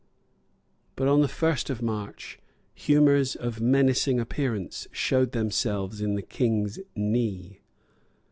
But on the first of March humours of menacing appearance showed themselves in the King's knee.